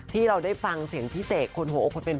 ไม่ได้ฟังเสียงพี่เสกคนโหะคนเป็นพ่อ